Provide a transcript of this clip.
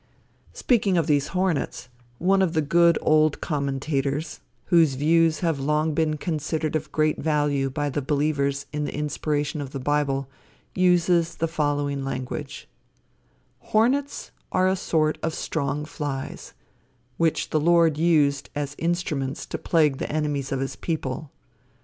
Speaking of these hornets, one of the good old commentators, whose views have long been considered of great value by the believers in the inspiration of the bible, uses the following language: "Hornets are a sort of strong flies, which the Lord used as instruments to plague the enemies of his people.